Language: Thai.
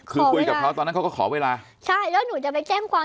คือคุยกับเขาตอนนั้นเขาก็ขอเวลาใช่แล้วหนูจะไปแจ้งความ